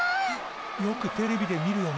よくテレビで見るよね。